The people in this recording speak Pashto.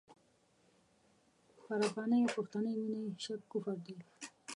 پر افغاني او پښتني مینه یې شک کفر دی.